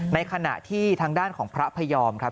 ในขณะที่ทางด้านของพระพยอมครับ